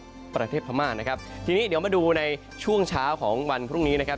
ประเทศพม่านะครับทีนี้เดี๋ยวมาดูในช่วงเช้าของวันพรุ่งนี้นะครับ